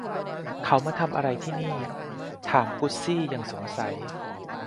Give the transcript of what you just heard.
'เขามาทำอะไรที่นี่ ?' ถามกุสซี่อย่างสงสัย